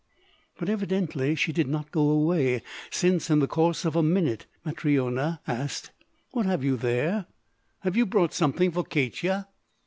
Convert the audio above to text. But evidently she did not go away, since in the course of a minute Matryona asked: "What have you there? Have you brought something for Katya?"